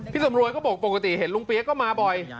สำรวยก็บอกปกติเห็นลุงเปี๊ยกก็มาบ่อย